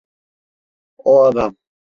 O adam…